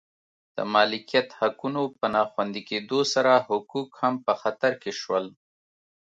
د مالکیت حقونو په نا خوندي کېدو سره حقوق هم په خطر کې شول